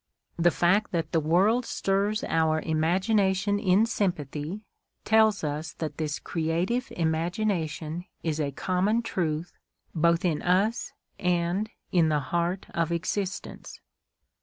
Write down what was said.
The fact that the world stirs our imagination in sympathy tells us that this creative imagination is a common truth both in us and in the heart of existence.